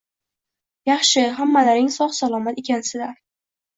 Yaxshi hammalaring sog’- salomat ekansilar.